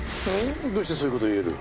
どうしてそういう事言える？